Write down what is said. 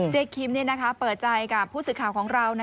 คิมเปิดใจกับผู้สื่อข่าวของเรา